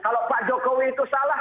kalau pak jokowi itu salah